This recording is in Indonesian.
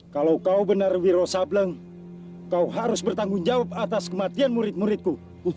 kalau kau benar wiro sableng kau harus bertanggung jawab atas kematian murid muridku